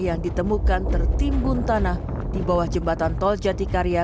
yang ditemukan tertimbun tanah di bawah jembatan tol jatikarya